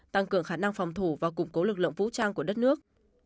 tăng cường khả năng phòng thủ và củng cố lực lượng vũ trang của đất nước